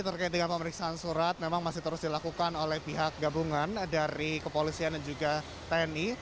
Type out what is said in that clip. terkait dengan pemeriksaan surat memang masih terus dilakukan oleh pihak gabungan dari kepolisian dan juga tni